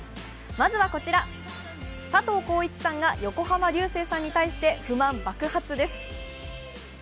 まずはこちら、佐藤浩市さんが横浜流星さんに対して不満爆発です。